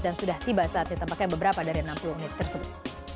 dan sudah tiba saatnya tempatnya beberapa dari enam puluh unit tersebut